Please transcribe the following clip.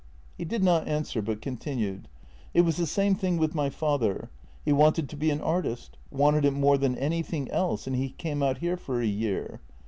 He did not answer, but continued :" It was the same thing with my father. He wanted to be an artist — wanted it more than anything else, and he came out here for a year.